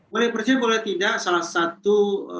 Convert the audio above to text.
boleh presiden boleh tidak salah satu